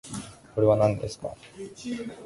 これはなんですか